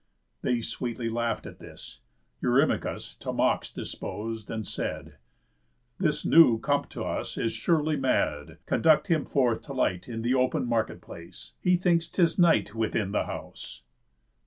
They sweetly laughed at this. Eurymachus To mocks dispos'd, and said: "This new come t' us Is surely mad, conduct him forth to light In th' open market place; he thinks 'tis night Within the house."